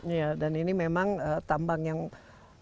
iya dan ini memang tambangnya ini yang berasal dari indonesia